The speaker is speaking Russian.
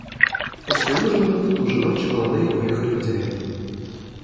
После ужина в ту же ночь молодые уехали в деревню.